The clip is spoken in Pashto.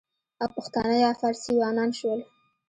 او پښتانه یا فارسیوانان شول،